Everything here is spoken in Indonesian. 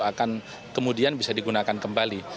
akan kemudian bisa digunakan kembali